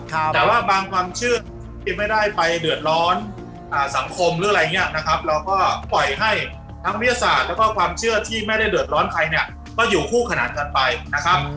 แต่ว่าบางความเชื่อที่ไม่ได้ไปเดือดร้อนสังคมหรืออะไรอย่างนี้นะครับเราก็ปล่อยให้ทั้งวิทยาศาสตร์แล้วก็ความเชื่อที่ไม่ได้เดือดร้อนใครเนี่ยก็อยู่คู่ขนาดกันไปนะครับ